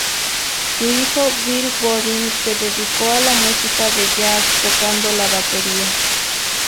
Su hijo, Bill Goodwin, se dedicó a la música de jazz tocando la batería.